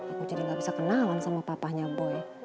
aku jadi nggak bisa kenalan sama papahnya boy